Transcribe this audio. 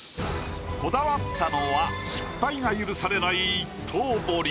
こだわったのは失敗が許されない。